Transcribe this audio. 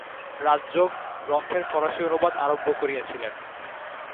রাজযোগ গ্রন্থের ফরাসী অনুবাদ আরম্ভ করিয়াছিলেন।